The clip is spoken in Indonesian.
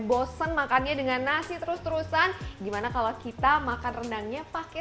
bosen makannya dengan nasi terus terusan gimana kalau kita makan rendangnya pakai